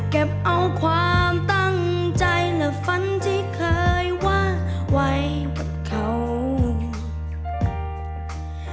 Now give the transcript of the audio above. เก็บเอาความตั้งใจและฝันที่เคยว่าไว้กับเขา